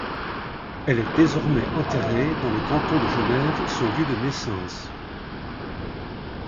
Elle est désormais enterrée dans le canton de Genève, son lieu de naissance.